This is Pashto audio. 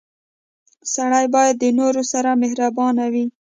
• سړی باید د نورو سره مهربان وي.